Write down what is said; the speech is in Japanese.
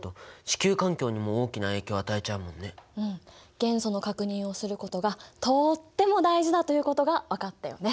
元素の確認をすることがとっても大事だということが分かったよね？